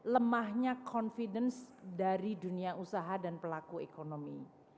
lemahnya confidence dari dunia usaha dan pelaku ekonomi